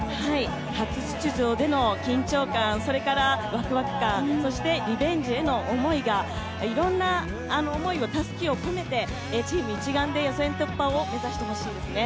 初出場での緊張感、それからワクワク感、そしてリベンジへの思い、いろんな思いにたすきを込めてチーム一丸で予選突破を目指してほしいですね。